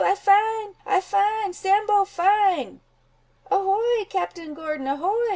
I find! I find! Sambo find!" "Ahoy, Captain Gordon, ahoy!"